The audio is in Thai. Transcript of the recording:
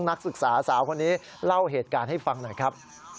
นักศึกษาสาวคนนี้เล่าเหตุการณ์ให้ฟังหน่อยครับ